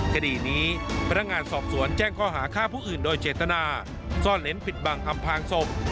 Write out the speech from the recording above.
คดีนี้พนักงานสอบสวนแจ้งข้อหาฆ่าผู้อื่นโดยเจตนาซ่อนเล้นปิดบังอำพางศพ